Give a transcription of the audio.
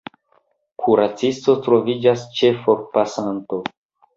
Kuracisto troviĝas ĉe forpasanto.